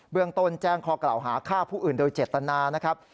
เรื่องต้นแจ้งข้อกล่าวหาฆ่าผู้อื่นโดยเจตนานะครับ